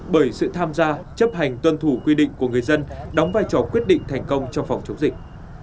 bởi sự tham gia chấp hành tuân thủ quy định của người dân đóng vai trò quyết định thành công trong phòng chống dịch